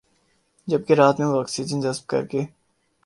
جبکہ رات میں وہ آکسیجن جذب کرکے